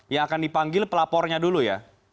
yang akan dipanggil pelapornya dulu ya